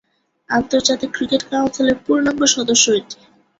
আন্তর্জাতিক ক্রিকেট কাউন্সিলের পূর্ণাঙ্গ সদস্য এটি।